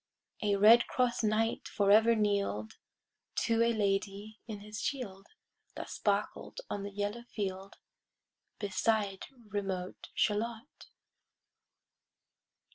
[Pg 70] A red cross knight forever kneel'd To a lady in his shield, That sparkled on the yellow field, Beside remote Shalott.